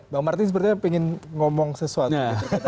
bang martin sepertinya ingin ngomong sesuatu